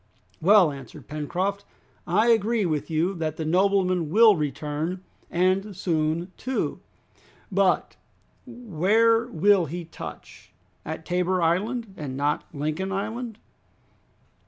"Well!" answered Pencroft, "I agree with you that the nobleman will return, and soon too. But where will he touch? At Tabor Island, and not at Lincoln Island."